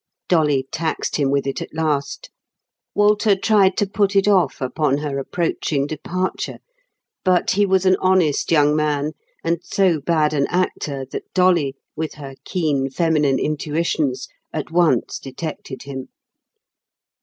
Dolly taxed him with it at last. Walter tried to put it off upon her approaching departure. But he was an honest young man, and so bad an actor that Dolly, with her keen feminine intuitions, at once detected him.